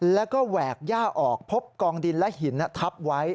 แล้วก็แหวกย่าออกพบกองดินและหินทับไว้